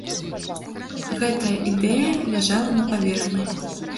Гэтая ідэя ляжала на паверхні!